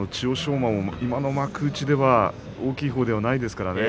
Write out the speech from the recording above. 馬も今の幕内では大きいほうではないですからね。